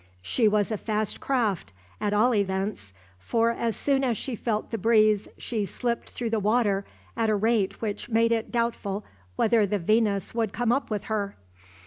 She was a fast craft, at all events, for as soon as she felt the breeze she slipped through the water at a rate which made it doubtful whether the "Venus" would come up with her.